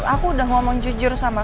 aku udah ngomong jujur sama